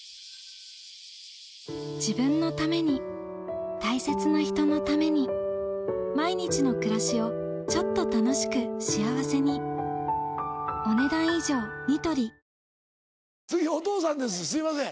自分のために大切な人のために毎日の暮らしをちょっと楽しく幸せに次お父さんですすいません。